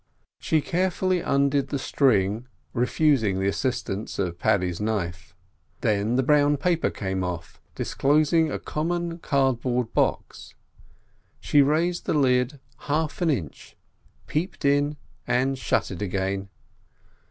She carefully undid the string, refusing the assistance of Paddy's knife. Then the brown paper came off, disclosing a common cardboard box. She raised the lid half an inch, peeped in, and shut it again.